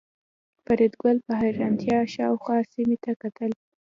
فریدګل په حیرانتیا شاوخوا سیمې ته کتل